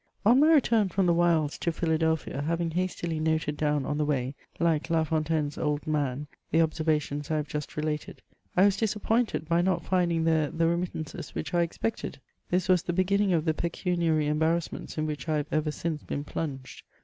On my return from the wilds to Philadelphia, having hastily noted down on the way, like La Fontaine's old man, the observa tions I have just related, I was disappointed by not finding there the remittances which I expected ; this was the beginning of the pecuniary embarrassments in which I have ever since been plunged.